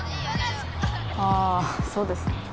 ああそうですね。